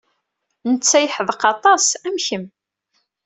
Netta yeḥdeq aṭas, am kemm.